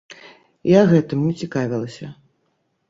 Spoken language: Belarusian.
Я гэтым не цікавілася.